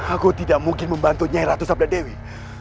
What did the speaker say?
aku tidak mungkin membantunya ratu sabda dewi